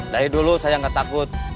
dari dulu saya nggak takut